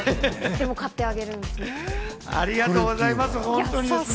でも買ってあげるんですね。